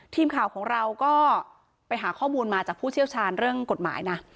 ทีมข่าวของเราก็ไปหาข้อมูลมาจากผู้เชี่ยวชาญเรื่องกฎหมายนะ